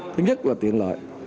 thứ nhất là tiện loại